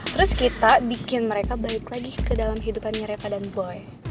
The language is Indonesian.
terus kita bikin mereka balik lagi ke dalam hidupan mereka dan boy